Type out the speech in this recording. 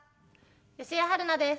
吉江晴菜です。